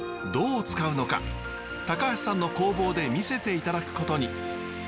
どう使うのか橋さんの工房で見せていただくことに。